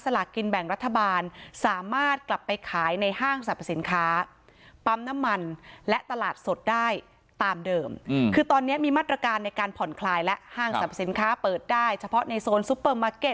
และห้างสรรพสินค้าเปิดได้เฉพาะในโซนซูเปอร์มาร์เก็ต